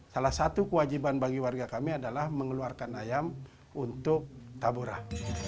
salah satu kewajiban bagi warga kami adalah mengeluarkan ayam untuk taburan